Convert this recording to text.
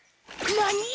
なに！？